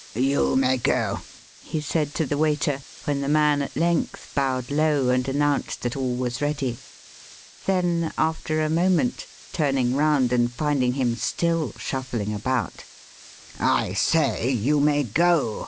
"You may go," he said to the waiter, when the man at length bowed low and announced that all was ready; then, after a moment, turning round and finding him still shuffling about, "I say you may go!"